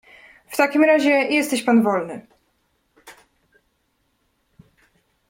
"W takim razie jesteś pan wolny."